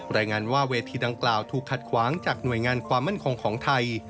รายงานว่าเวทีดังกล่าวถูกขัดขวางจากหน่วยงานความมั่นคงของไทย